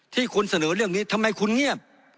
ที่คุณเสนอเรื่องนี้ทำไมคุณเงียบ